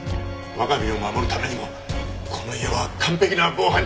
我が身を守るためにもこの家は完璧な防犯住宅でなければいかん。